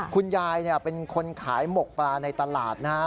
คุณยายเป็นคนขายหมกปลาในตลาดนะฮะ